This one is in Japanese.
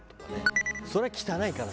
それは汚いから。